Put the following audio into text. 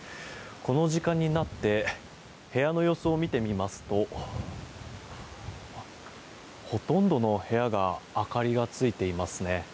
この時間になって部屋の様子を見てみますとほとんどの部屋が明かりがついていますね。